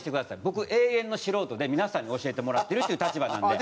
僕永遠の素人で皆さんに教えてもらってるっていう立場なんで。